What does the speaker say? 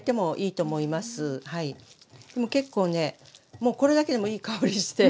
結構ねもうこれだけでもいい香りして。